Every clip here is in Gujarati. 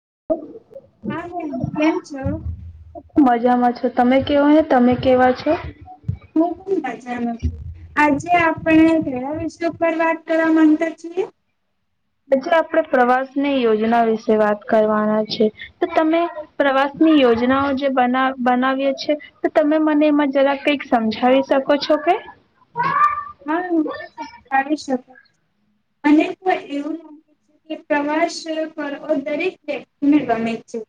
[inaudible] હા બેન કેમ છો? મજામાં છો. તમે કેવો ને તમે કેવા છો? હું પન મજામાં. આજે આપણે કયા વિષય પર વાત કરવા ગતા છીએ? જે આપણેે પ્રવાસ ની યોજના વિશે વાત કરવાના છે તો તમે પ્રવાસ ની યોજનાઓ જે બ બનાવીએ છે. તો તમે મને એમાં જરા કઈક સમજાવી શકો છો કે? હા હું તો [unintelligible] મને તો એવું લાગે છે કે પ્રવાસ કરવ દરેક વ્યક્તિને ગમે છે.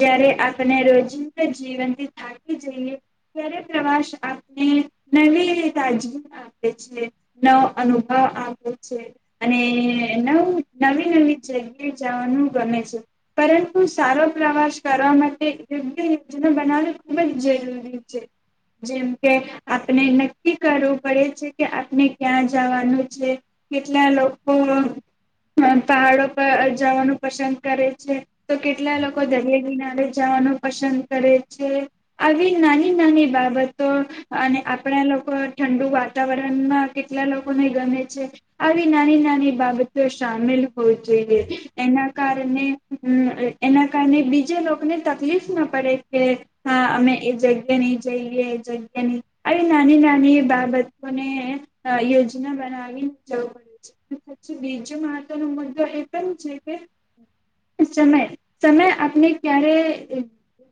જય્યારે આપણે રોજિંદા જીવનથી થાકી જઈએ ત્યારે પ્રવાસ આપને નવી તાજગી આપ પે છે નવો અનુભવ આવે છે. અને નવ નવી નવી જગ્યા જવાનું ગમે છે. પરંતુ સારો પ્રવાસ કરવા માટે યોગ્ય યોજના બનાવવી ખુબ જ જરૂરી છે. જેમ કે આપણે નક્કી કરવું પડે છે. કે આપણે ક્યાં જવાનું છે કેટલા લોકો પહાડો પર જવાનું પસંદ કરે છે. તો કેટલા લોકો દરિયા કિનારે જવાનું પસંદ કરે છે. આવી નાની નાની બાબતો અને આપણા લોકો ઠંડુ વા તાવરણમાં કેટલા લોકોને ગમે છે આવી નાની નાની બાબતો સામેલ હોવી જોઈએ. એના કારણે એના કારણે બીજા લોકોને તકલીફ ના પડે કે હા અમે એ જગ્યા ની જઈએ એ જગ્યા આવી નાની નાની બાબત અને યોજના બનાવીને જવું પડે છે. પછી બીજો મહત્વનો મુદ્દો એ પણ છે કે સમય સમય આપણે ક્યારે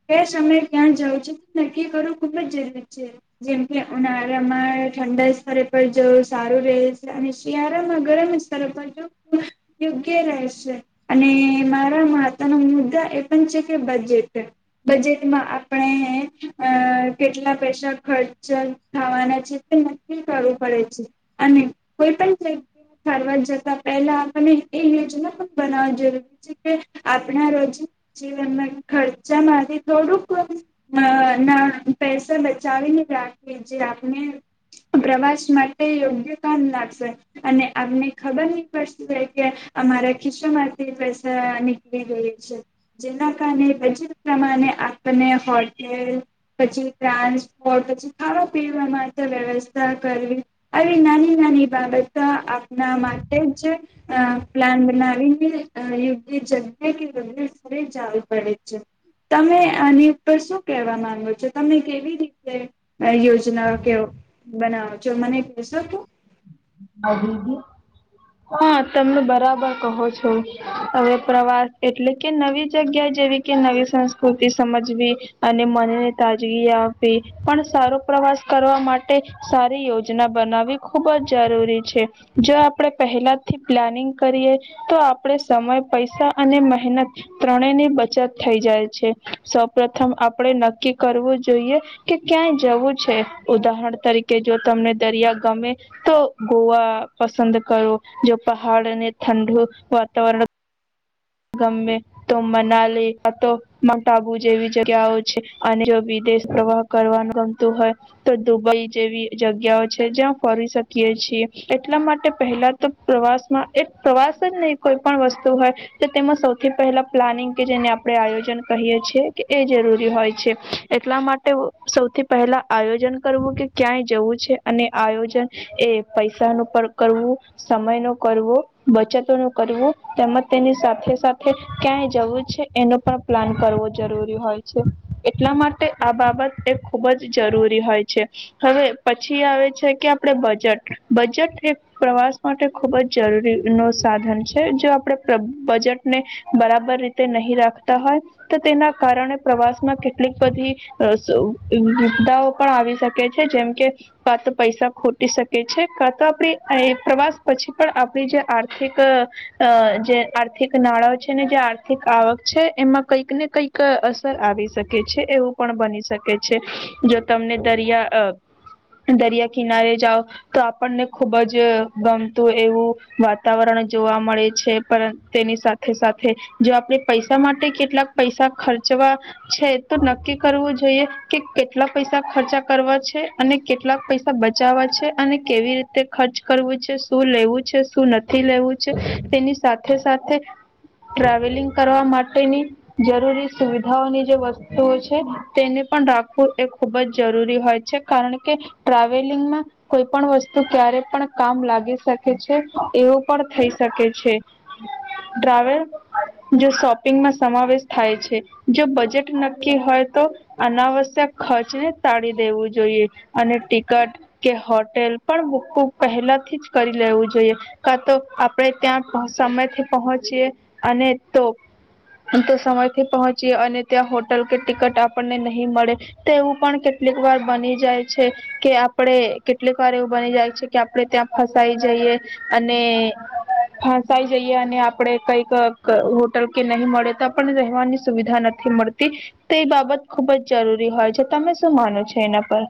કે સમય ક્યાં જવું છે નક્કી કરવું ખુબ જ જરૂરી છે જેમ કે ઉનાળામા ઠંડા સ્તરે પર જવ સારું રહેશે અને શિયાળામાં ગરમ સ્તર પર [unintelligible] યોગ્ય રહેશે. અને મારા મહત્વનો મુદ્દા એ પણ છે. કે બજેટ બજેટમાં આપણે અ કેટલા પૈસા ખર્ચ થવાના છે. કરવું પડે છે અને કોઈ પણ જગ્યા ફારવા જતા પહેલા આપને એ યોજના પણ બનાવ જરૂરી છે કે આપણા રોજ જીવનમાં ખર્ચામાંથી થોડુંક ના પૈસા બચાવીને રાખે જે આપણે પ્રવાસ માટે યોગ્ય કામ લાગશે અને આપને ખબર નહી પડતી હો કે અમારા ખિસ્સામાંથી પૈસા નીકળી ગઈ છે જેના કારણે બજેટ પ્રમાણે આપને હોટેલ પછી ટ્રાન્સપોટ પછી ખાવા પીવા માટે વ્યવસ્થા કરવી આવી નાની નાની બાબત આપના માટે જ પ્લાન બનાવીને યોગ્ય જગ્યા કે યોગ્ય સ્થળે જવું પડે છે તમે આની ઉપર શું કેહેવા માંગો છો તમે કેવી રીતે યોજના કેો બનાવો છો મને કેસો તું હા તમને બરાબર કહો છો હવે પ્રવાસ એટલે કે નવી જગ્યા જેવી કે નવી સંસ્કૃતિ સમજવી અને મનને તાજગી આપવી પણ સારો પ્રવાસ કરવા માટે સારી યોજના બનાવી ખુબ જ જરૂરી છે જો આપણેે પહેલા થી પ્લાનિંગ કરીએ તો આપણે સમય પૈસા અને મહેનત ત્રણે ની બચત થઈ જાય છે સૌપથમ આપણે નક્કી કરવું જોઈએ કે ક્યાંય જવું છે ઉદાહરણ તરીકે જો તમને દરિયા ગમે તો ગોવા પસંદ કરો જો પહાડ અને ઠંડુ વાતાવરણ ગમે તો મનાલી તો માઉન્ટ આબુ જેવી જગ્યાઓ છે અને જો વિદેશ પ્રવાહ કરવાનું ગમતું હોય તો દુબઈ જેવી જગ્યાઓ છે જ્યાં ફરી શકીએ છીએ એટલા માટે પહેલા તો પ્રવાસમાં એક પ્રવાસ જ નહી કોઈ પણ વસ્તુ હોય તેમાં સૌથી પહેલા પ્લાનિંગ કે જેને આપણે આયોજન કહીએ છેએ કે એ જરૂરી હોય છે એટલા માટે સૌથી પહેલા આયોજન કરવું કે ક્યાંય જવું છે અને આયોજન એ પૈસાનું કરવું સમય ન કરવું બચતો નું કરવું તેમજ તેની સાથે સાથે ક્યાંય જવું છે એનો પણ પ્લાન કરવો જરૂરી હોય છે એટલા માટે આ બાબત એ ખૂબ જ જરૂરી હોય છે હવે પછી આવે છે કે આપણે બજટ બજટ એ પ્રવાસ માટે ખૂબ જ જરૂરી ન સાધન છે જો આપણે બજેટને બરાબર રીતે નહી રાખતા હોય તો તેના કારણે પ્રવાસ માં કેટલીક બધી અ સુ સુવધાઓ પણ આવી શકે છે જેમકે કા તો પૈસા ખોટી શકે છે કા તો આપ પ્રવાસ પછી પણ આપણી જે આર્થિક અ જે આર્થિક નાણાં છે ને જે આર્થિક આવક છે એમાં કંઈક ને કઈક અસર આવી શકે છે એવું પણ બની શકે છે જો તમને દરિયા દરિયા કિનારે જાઓ તો આપણને ખુબ જ ગમતું એવું વાતાવરણ જોવા મળે છે પર તેની સાથે સાથે જો આપણેે પૈસા માટે કેટલાક પૈસા ખર્ચવા છે તો નક્કી કરવું જોઈએ કે કેટલા પૈસા ખર્ચા કરવા છે અને કેટલાક પૈસા બચાવવા છે અને કેવી રીતે ખર્ચ કરવું છે શું લેવું છે શું નથી લેવું છે તેની સાથે સાથે ટ્રાવેલિંગ કરવા માટેની જરૂરી સુવિધાઓની જે વસ્તુઓ છે. તેને પણ રાખવું એ ખુબ જ જરૂરી હોય છે. કારણ કે ટ્રાવેલિંગમાં કોઈ પણ વસ્તુ ક્યારે પણ કામ લાગી શકે છે. એવું પણ થઈ શકે છે. ટ્રાવેલ જો શોપિંગમાં સમાવેશ થાય છે. જો બજેટ નક્કી હોય તો અનાવશ્યક ખર્ચને ટાળી દેવું જોઈએ. અને ટિકટ કે હોટેલ પણ બુ બુક પહેલાથી જ કરી લેવું જોઈએ કા તો આપણે ત્યાં સમય પહોંચીએ અને તો તો સમય થી પહોંચીએ અને ત્યાં હોટલ કે ટિકટ આપણને નહી મળે તો એવું પણ કેટલીક વાર બની જાય છે. કે આપણે કેટલીક વાર એવું બની જાય છે કે આપણે ત્યાં ફસાઈ જઈએ અને ફસાઈ જઈએ અને આપણે કઈક હોટલ કે નહી મળે તો પણ રહેવાની સુવિધા નથી મળતી. તે એ બાબત ખુબ જ જરૂરી હોય છે તમે શું માનો છો એના પર?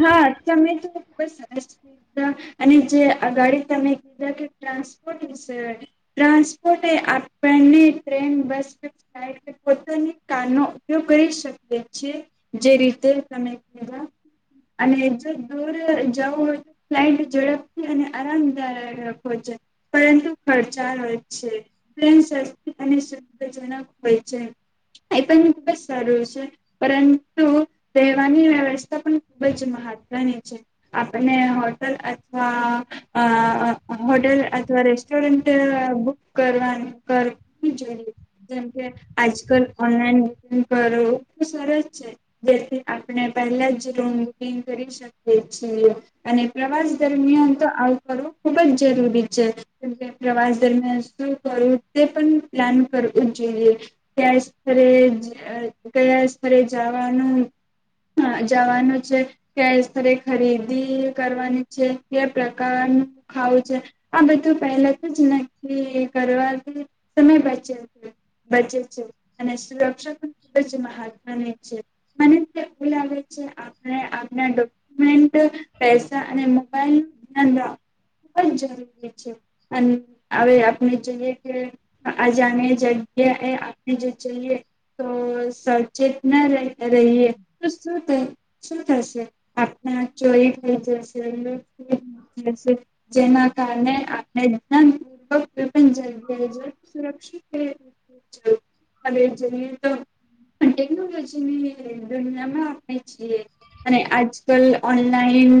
હા તમે તો ખબ સરસ કીધા અને જે અ ગાડી તમે કીધા કે ટ્રાન્સપોર્ટ વિશે. ટ્રાન્સપોર્ટ આપણને ટ્રેન, બસ કે ફ્લાઈટ કે પોતાની કારનો ઉપયોગ કરી શકીએ છીએ. જે રીતે તમે કીધા. અને જો દૂર જવું હોય તો ફ્લાઇટ ઝડપથી અને આરામદાયક હોય છે. પરંતુ ખર્ચાળ હોય છે. ટ્રેન સસ્તી અને સુવિધાજનક હોય છે. એ પણ ખુબ જ સારું છે. પરંતુ રહેવાની વ્યવસ્થા પણ- ખુબ જ મહત્વની છે. આપણે હોટલ અથવા હોટલ અથવા રેસ્ટોરન્ટ બુક કરવા કરું જોઈએ. જેમકે, આજકાલ ઓનલાઈન બુકિંગ કરવું સરસ છે. જેથી આપણે પહેલા જ- કરી શકી છીએ. અને પ્રવાસ દરમિયાન તો આવું કરવું ખુબ જ જરૂરી છે. કેમ કે પ્રવાસ દરમિયાન શું કરું તે પણ પ્લાન કરવું જ જોઈએ. કયા સ્થરે કયા સ્થરે જવાનું - જવાનું છે. કયા સ્થરે ખરીદી કરવાની છે, કે પ્રકારનું ખાવું છે. આ બધું પહેલા તો જ નક્કી કરવાથી સમય બચે છે બચે છે. અને સુરક્ષા પણ ખુબ જ મહત્વની છે. મને એવું લાગે- આપણે આપના ડોક્યુમેન્ટ પૈસા અને મોબાઈલ ન ધ્યાન રાખવ ખૂ જ જરૂરી છે. અને હવે આપણે જોઈએ કે આજણી જગ્યાએ આપણે જઈએ તો સચેત ના રહે- રહીએ. તો શું થશે. આપણા ચોરી થઈ જશે. જેના કારણે આપણે ધ્યાનૂર્ક કોઈ જ સુરક્ષિત [unintelligible] તો ટેકનોલોજી ની દુનિયામાં [inaudible] અને આજકાલ ઓનલાઈન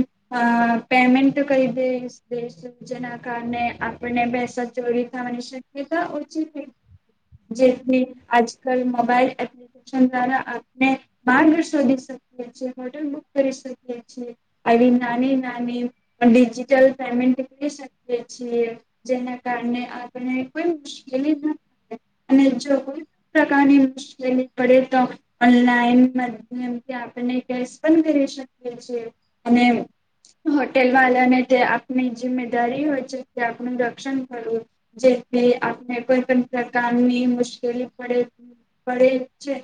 પેમેન્ટ તો કરી દઈ દશ જેના કારણે આપને પૈસા ચોરી થવાની- [unintelligible] ચલ તારા આપને બાર વર્ષો દીસ હોટલ બુક કરી શકીએ છીએ. આવી નાની નાની ડિજિટલ પેમેન્ટ કરી શકીએ છીએ. જેના કારણે આપણે કોઈ મુશ્કેલી ના પડે. અને જો કોઈ પણ પ્રકારની મુશ્કેલી પડે તો ઓનલાઈન માધ્યમ આપને કેશપણ કરી શકીએ છે. અને હોટેલ વાળાને તે આપની જિમ્મેદારી હોય છે. તે આપનું રક્ષણ કરવું. જેથી આપણે કોઈ પણ પ્રકારની મુશ્કેલી પડે પડે છે.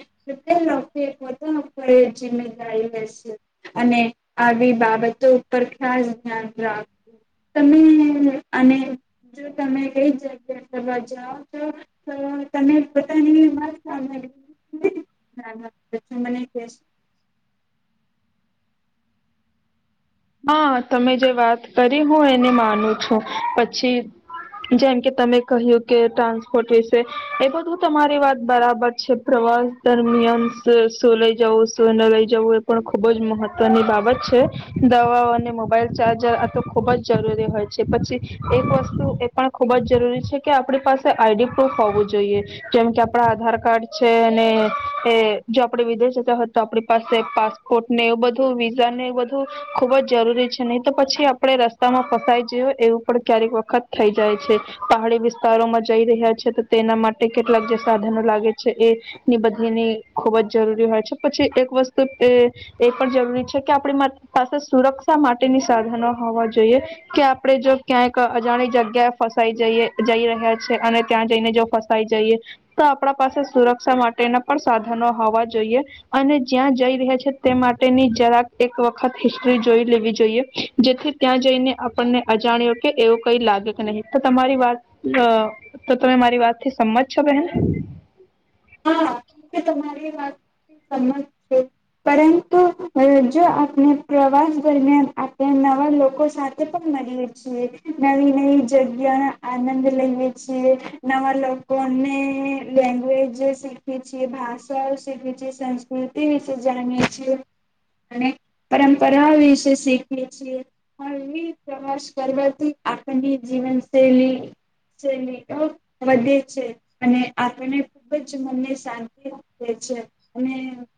તે લોકો પોતા આપડે જિમેદારી રેશે. અને આવી બાબતો ઉપર ખાસ ધ્યાન રાખવું. તમે અને જો તમે કઈ જગ્યા કરવા જાઓ તો તમે પોતાની વાત સાંભળી છો મને કેસ હા તમે જે વાત કરી હું એને માનું છું. પછી જેમ કે તમે કહ્યું કે ટ્રાન્સપોર્ટ વિશે એ બધું તમારી વાત બરાબર છે. પ્રવાસ દરમિયાન શું લઈ જવું, શું ન લઈ જવું, એ પણ ખુબ જ મહત્વની બાબત છે. દવાઓ અને મોબાઈલ ચાર્જર આ તો ખુબ જ જરૂરી હોય છે. પછી એક વસ્તુ એ પણ ખુબ જ જરૂરી છે કે આપણી પાસે આઈડી પ્રૂફ હોવું જોઈએ. જેમ કે આપડા આધાર કાર્ડ છે. અને એ જો આપડે વિદેશ જતા હોત તો આપણી પાસે પાસપોર્ટ ને એવું બધું વિઝા ને એ બધું ખૂબ જ જરૂરી છે. નહી તો પછી આપણે રસ્તામાં ફસાય જયુ એવું પણ ક્યારેક વખત થઈ જાય છે. પહાડી વિસ્તારોમાં જઈ રહ્યા છે. તો તેના માટે કેટલાક જે સાધનો લાગે છે એની બદલીની ખુબ જ જરૂરી હોય છે. પછી એક વસ્તુ એ પણ જરૂરી છે કે આપણી- પાસે સુરક્ષા માટેની સાધનો હોવા જોઈએ. કે આપણે જો ક્યાંક અજાણી જગ્યાએ ફસાઈ જઈએ જઈ રહ્યા છે. અને ત્યાં જઈને જો ફસાઈ જઈએ તો આપણા પાસે સુરક્ષા માટેના પણ સાધનો હોવા જોઈએ. અને જ્યાં જઈ રહ્યા છે તે માટેની જરાક એક વ- વખત હિસ્ટ્રી જોઈ લેવી જોઈએ. જેથી ત્યાં જઈને આપણને અજાણ્યો કે એવું કઈ લાગે કે નહીં તો તમારી વાત તો તમે મારી વાતથી સમમત છો બહેન? હા તમારી વાત સમજ છે. પરંતુ જો આપણે પ્રવાસ દરમિયાન આપણે નવા લોકો સાથે પણ મળીએ છીએ. નવી-નવી જગ્યા આનંદ લઈએ છીએ. નવા લોકોને લેગ્વેજ શીખે છે. ભાષાઓ શીખ છે સંસ્કૃતિ વિશે જાણીએ છી અને પરંપરાઓ વિશે શીખીએ છીએ હવી પ્રવાસ કરવાથી આપની જીવનશૈલી શૈલીઓ વધે છે અને આપણે ખૂબ જ તે મનને શાંતિ આપે છે અને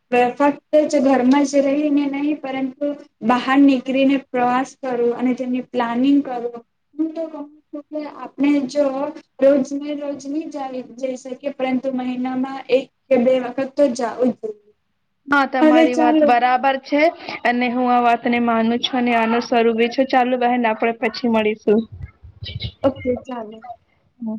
ફક્ત જ ઘરમાં જ રહીને નહીં પરંતુ બહાર નીકળીને પ્રવાસ કરું અને તેની પ્લાનિંગ કરું હું તો મમ છું કે આપણે જો રોજ રોજ નહી જઈ શકીએ પરંતુ મ મહિનામાં એક કે બે વખત તો જવું જ જોઈએ. હા હવે તમારી વાત ચાલો બરાબર છે અને હું આ વાત અને માનું છો અને આનું સ્વરૂભી છો ચાલુ બહેન આપડે પછી મળીશું. ઓકે ચાલો. હમ્મ.